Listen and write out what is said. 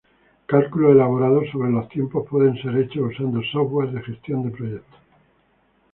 Cálculos elaborados sobre los tiempos pueden ser hechos usando software de gestión de proyectos.